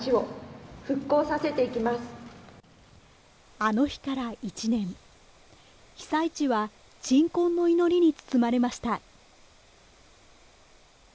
あの日から１年、被災地は鎮魂の祈りに包まれました。